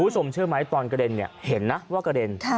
เชื่อไหมตอนกระเด็นเห็นนะว่ากระเด็น